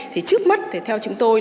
thì trước mắt thì theo chúng tôi